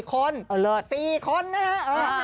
๔คนนะฮะครับยังไงอ่ะ